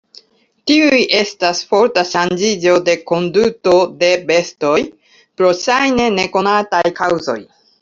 Tiuj estas forta ŝanĝiĝo de konduto de bestoj, pro ŝajne nekonataj kaŭzoj.